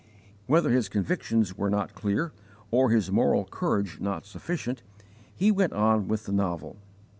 Whether his convictions were not clear or his moral courage not sufficient, he went on with the novel.